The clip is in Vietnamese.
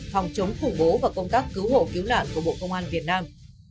phòng chống khủng bố và công tác cứu hộ cứu nạn của bộ công an việt nam